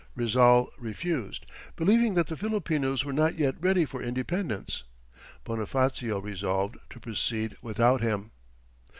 Rizal refused, believing that the Filipinos were not yet ready for independence. Bonifacio resolved to proceed without him.